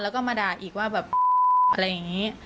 แล้วก็มาด่าอีกว่าแบบอะไรอย่างนี้